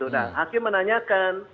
nah hakim menanyakan